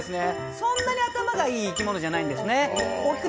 そんなに頭がいい生き物じゃないです。